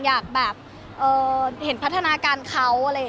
อยากเห็นพัฒนาการเขา